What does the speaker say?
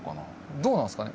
どうなんですかね？